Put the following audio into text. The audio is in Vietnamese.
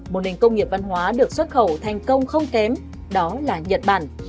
một nền công nghiệp văn hóa được xuất khẩu thành công không kém đó là nhật bản